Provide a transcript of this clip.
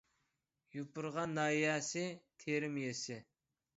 يوپۇرغا ناھىيەسى تېرىم يېزىسى